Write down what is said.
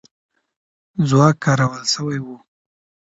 ځواک کارول سوی وو.